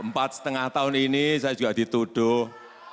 empat lima tahun ini saya juga dituduh